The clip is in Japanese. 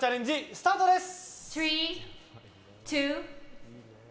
スタートです！